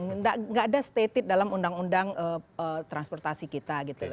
tidak ada stated dalam undang undang transportasi kita gitu